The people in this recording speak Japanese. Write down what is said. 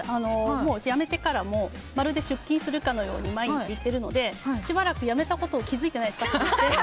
辞めてからもまるで出勤するかのように毎日行ってるのでしばらく辞めたことを気づいてないんです。